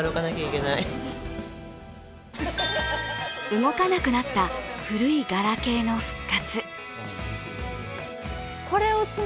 動かなくなった古いガラケーの復活。